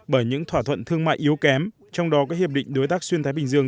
bởi những thỏa thuận thương mại yếu kém trong đó các hiệp định đối tác xuyên thái bình dương